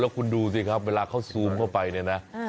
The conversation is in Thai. คุณดูสิครับเวลาเขาซูมเข้าไปเนี่ยนะ